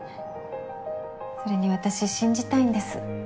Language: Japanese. それに私信じたいんです。